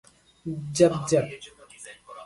Zap, zap!